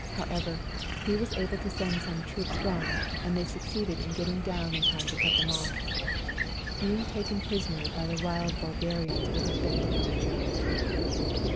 However, he was able to send some troops round, and they succeeded in getting down in time to cut them off. Being taken prisoner by the wild Bulgarians would have been no joke.